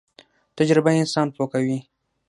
تجربه انسان پوه کوي